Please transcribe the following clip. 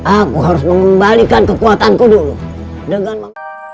aku harus mengembalikan kekuatanku dulu